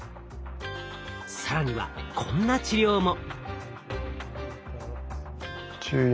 更にはこんな治療も。